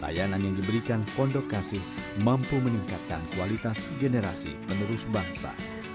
layanan yang diberikan pondok kasih mampu meningkatkan kualitas generasi penerus bangsa